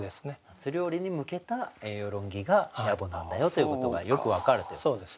夏料理に向けた栄養論議が野暮なんだよということがよく分かるっていうことですね。